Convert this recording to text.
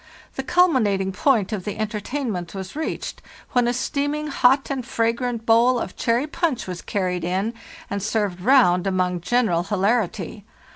The culminating point of the entertainment was reached o ro) ~ when a steaming hot and fragrant bowl of cherry punch was carried in and served round among general hilarity.